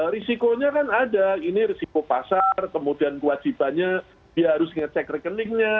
risikonya kan ada ini risiko pasar kemudian kewajibannya dia harus ngecek rekeningnya